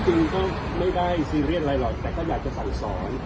จริงก็ไม่ได้ซีเรียสอะไรหรอกแต่ก็อยากจะสั่งสอน